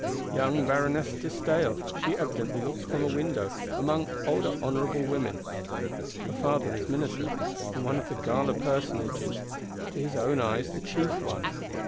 Young Baroness de Staël—she evidently looks from a window; among older honourable women. Her father is Minister, and one of the gala personages; to his own eyes the chief one.